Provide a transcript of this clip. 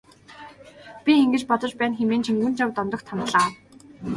Би ингэж бодож байна хэмээн Чингүнжав Дондогт хандлаа.